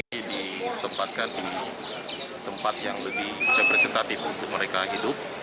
ini ditempatkan di tempat yang lebih representatif untuk mereka hidup